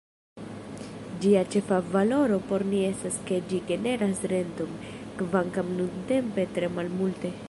Ĝia ĉefa valoro por ni estas ke ĝi generas renton, kvankam nuntempe tre malmulte.